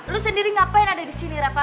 lu sendiri ngapain ada disini reva